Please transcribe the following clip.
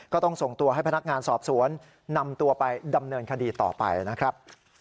ก็ต้องส่งตัวให้พนักงานสอบสวนนำตัวไปดำเนินคดีต่อไปนะครับ